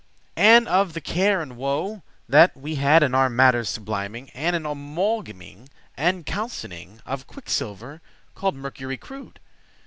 and of the care and woe That we had in our matters subliming, And in amalgaming, and calcining Of quicksilver, called mercury crude?